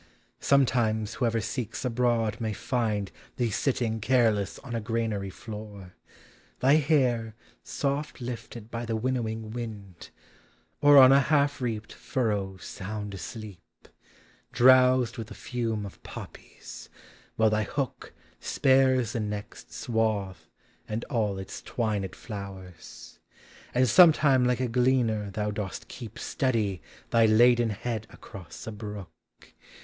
Sometimes whoever seeks abroad may And Thee sitting careless on a granary floor, Thy hair soft lifted by the winnowing wind; Or on a half reaped furrow sound asleep, Drowsed with the fume of poppies, while thy hook Spares the next swath and all its twinW (lowers; And sometime like a gleaner thou dosl keep Steady thy laden head across a brookj 150 POEMS OF XATURE.